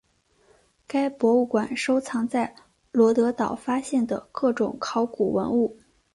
该博物馆收藏在罗得岛发现的各种考古文物。